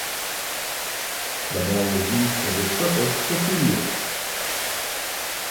The mall was used for this purpose for two years.